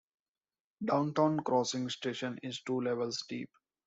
Downtown Crossing station is two levels deep.